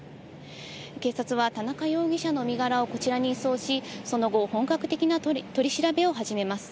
警察は田中容疑者の身柄をこちらに移送し、その後、本格的な取り調べを始めます。